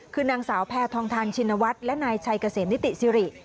คือนางสาวแพทองทานชินวัฒน์และนายชัยเกษมนิติสิริ